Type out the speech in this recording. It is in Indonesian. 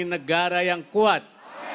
negara yang maju